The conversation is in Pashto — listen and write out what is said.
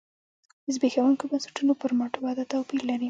د زبېښونکو بنسټونو پر مټ وده توپیر لري.